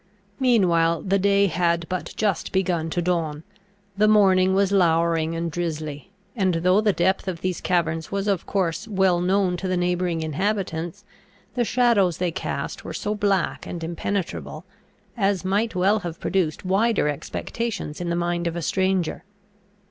Meanwhile the day had but just begun to dawn; the morning was lowering and drizzly; and, though the depth of these caverns was of course well known to the neighbouring inhabitants, the shadows they cast were so black and impenetrable, as might well have produced wider expectations in the mind of a stranger.